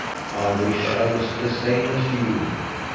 I wish I was the same as you."